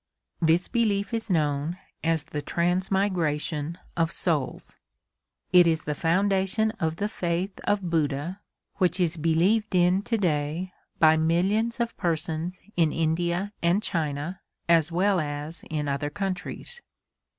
This belief is known as "the transmigration of souls." It is the foundation of the faith of Buddha which is believed in to day by millions of persons in India and China, as well as in other countries.